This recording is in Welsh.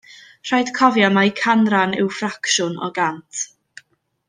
Rhaid cofio mai canran yw ffracsiwn o gant